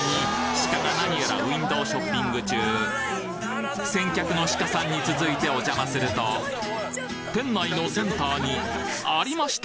鹿がなにやらウインドウショッピング中先客の鹿さんに続いてお邪魔すると店内のセンターにありました！